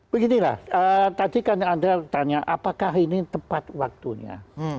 beginilah tadi kan anda tanya apakah ini tepat waktunya